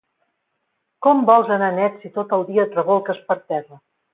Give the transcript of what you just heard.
Com vols anar net si tot el dia et rebolques per terra?